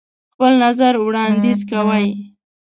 خپل نظر وړاندیز کوئ.